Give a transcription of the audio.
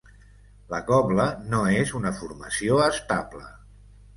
La cobla no és una formació estable.